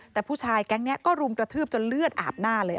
แต่ผู้ชายแก๊งนี้ก็รุมกระทืบจนเลือดอาบหน้าเลย